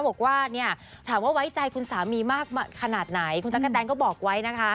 บอกว่าเนี่ยถามว่าไว้ใจคุณสามีมากขนาดไหนคุณตั๊กกะแตนก็บอกไว้นะคะ